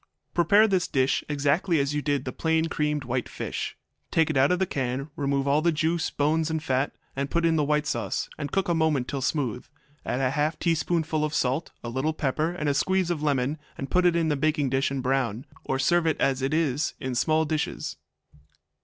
Prepare this dish exactly as you did the plain creamed white fish. Take it out of the can, remove all the juice, bones, and fat, and put in the white sauce, and cook a moment till smooth. Add a small half teaspoonful of salt, a little pepper, and a squeeze of lemon, and put in a baking dish and brown, or serve as it is, in small dishes.